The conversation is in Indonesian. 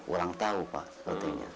kurang tau pak